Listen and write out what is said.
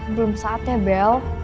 belum saat ya bel